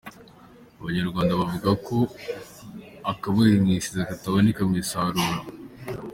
Abanyarwanda bavuga ko akaburiye mu isiza katabonekera mu isakara.